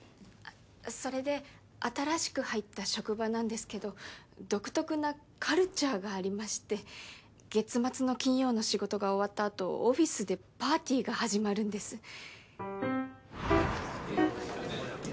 あっそれで新しく入った職場なんですけど独特なカルチャーがありまして月末の金曜の仕事が終わったあとオフィスでパーティーが始まるんです。